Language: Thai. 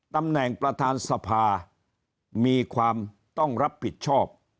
ตำแหน่งประธานสภามีความต้องรับผิดชอบ